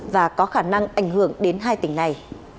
và có khả năng ảnh hưởng đến hai tỉnh này